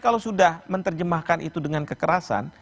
kalau sudah menerjemahkan itu dengan kekerasan